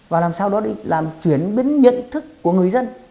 và làm sao đó làm chuyển biến nhận thức của người dân